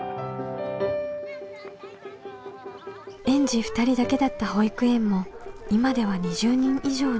園児２人だけだった保育園も今では２０人以上に。